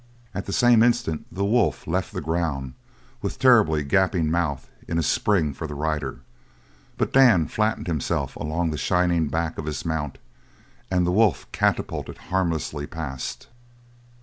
At the same instant the wolf left the ground with terribly gaping mouth in a spring for the rider; but Dan flattened himself along the shining back of his mount and the wolf catapulted harmlessly past.